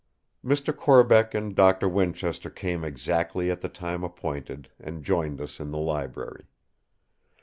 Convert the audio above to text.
Mr. Corbeck and Doctor Winchester came exactly at the time appointed, and joined us in the library.